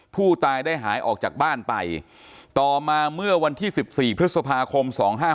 ผู้ตายได้หายออกจากบ้านไปต่อมาเมื่อวันที่๑๔พฤษภาคม๒๕๕๙